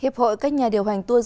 hiệp hội các nhà điều hành tuân dụng